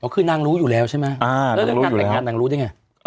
คือนางรู้อยู่แล้วใช่ไหมแล้วเรื่องการแต่งงานนางรู้ได้ไง